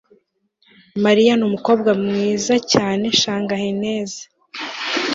Mariya numukobwa mwiza cyane shanghainese